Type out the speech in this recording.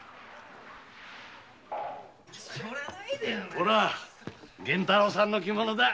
ほら源太郎さんの着物だ。